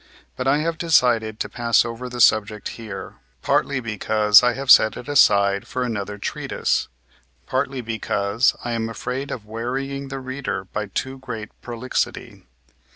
But I have decided to pass over the subject here, partly because I have set it aside for another treatise, partly because I am afraid of wearying the reader by too great prolixity.